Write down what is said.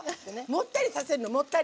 もったりさせるのもったり。